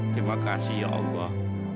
terima kasih ya allah